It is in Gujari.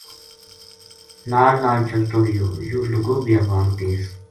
نال نال چلتو رہیو یوہ لُگو بیابان دیس